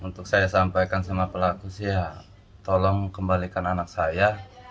untuk saya sampaikan sama pelaku tolong kembalikan anak saya